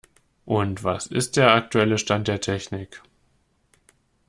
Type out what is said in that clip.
Und was ist der aktuelle Stand der Technik.